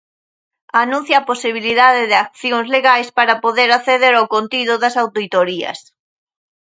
Anuncia a posibilidade de accións legais para poder acceder ao contido das auditorías.